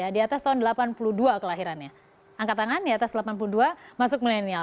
di atas tahun seribu sembilan ratus delapan puluh dua kelahirannya angkat tangan di atas delapan puluh dua masuk milenial